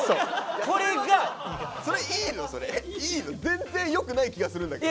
全然よくない気がするんだけど。